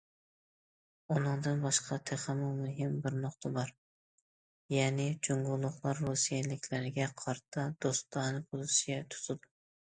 ئۇنىڭدىن باشقا تېخىمۇ مۇھىم بىر نۇقتا بار، يەنى جۇڭگولۇقلار رۇسىيەلىكلەرگە قارىتا دوستانە پوزىتسىيە تۇتىدۇ.